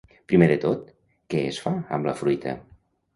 Primer de tot, què es fa amb la fruita?